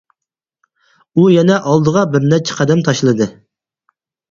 ئۇ يەنە ئالدىغا بىر نەچچە قەدەم تاشلىدى.